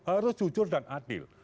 harus jujur dan adil